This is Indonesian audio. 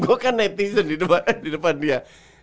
gue kan netizen di depan dia